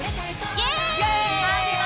イエーイ！